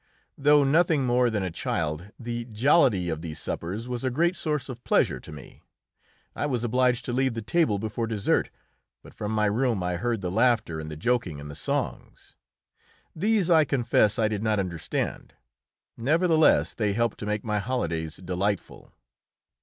Though nothing more than a child, the jollity of these suppers was a great source of pleasure to me. I was obliged to leave the table before dessert, but from my room I heard the laughter and the joking and the songs. These, I confess, I did not understand; nevertheless, they helped to make my holidays delightful.